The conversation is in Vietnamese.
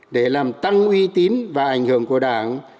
để làm tăng uy tín và ảnh hưởng của đảng